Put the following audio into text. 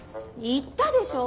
言ったでしょ？